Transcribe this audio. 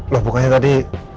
loh bukannya tadi